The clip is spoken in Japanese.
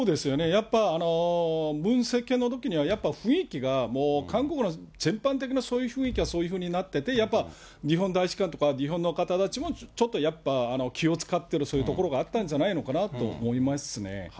やっぱ、ムン政権のときには、やっぱ雰囲気が、もう韓国の全般的なそういう雰囲気がそういうふうになってて、やっぱ日本大使館とか日本の方たちもちょっとやっぱ気を遣って、そういうところがあったんじゃないのかなと思いますね。